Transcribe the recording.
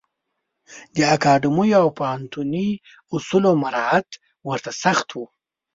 د اکاډمیو او پوهنتوني اصولو مرعات ورته سخت و.